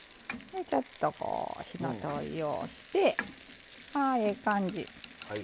ちょっとこう火の通りようしてああええ感じ。